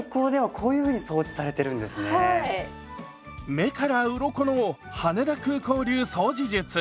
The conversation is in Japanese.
目からうろこの羽田空港流掃除術。